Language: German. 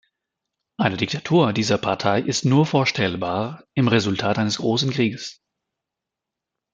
Eine Diktatur dieser Partei ist nur vorstellbar im Resultat eines großen Krieges.